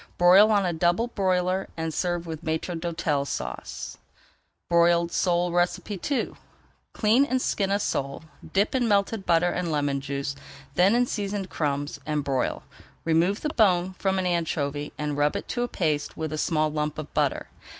Broil on a double broiler and serve with Maître d'Hôtel Sauce. BROILED SOLE II Clean and skin a sole, dip in melted butter and lemon juice, then in seasoned crumbs, and broil. Remove the bone from an anchovy and rub it to a paste with a small lump of butter.